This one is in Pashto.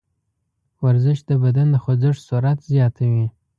ورزش د بدن د خوځښت سرعت زیاتوي.